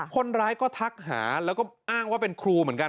คนร้ายก็ทักหาแล้วก็อ้างว่าเป็นครูเหมือนกัน